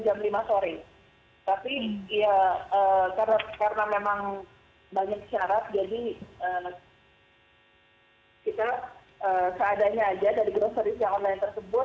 jadi kita seadanya aja dari groceries yang online tersebut